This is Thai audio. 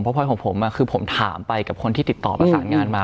เพราะพลอยของผมคือผมถามไปกับคนที่ติดต่อประสานงานมา